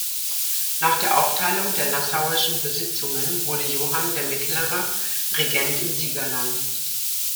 Nach der Aufteilung der nassauischen Besitzungen wurde Johann der Mittlere Regent im Siegerland.